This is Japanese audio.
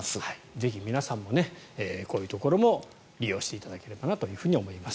ぜひ皆さんもこういうところも利用していただけたらいいのかなと思います。